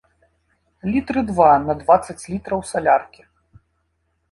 Літры два на дваццаць літраў саляркі.